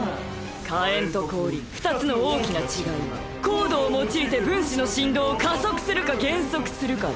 火炎と氷二つの大きな違いはコードを用いて分子の振動を加速するか減速するかだ